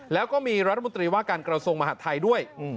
แล้วก็มีรัฐมนตรีว่าการกระทรวงมหาดไทยด้วย